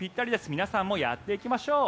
皆さんもやっていきましょう。